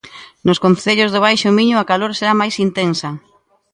Nos concellos do Baixo Miño a calor será máis intensa.